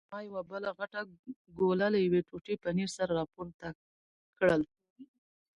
ما یوه بله غټه ګوله له یوې ټوټې پنیر سره راپورته کړل.